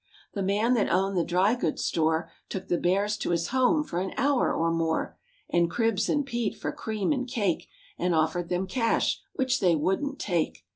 The man that owned the dry goods store Took the Bears to his home for an hour or more And Cribs and Pete for cream and cake And offered them cash which they wouldn't take.